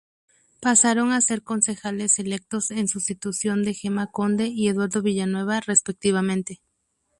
Pasaron a ser concejales electos en sustitución de Gema Conde y Eduardo Villanueva respectivamente.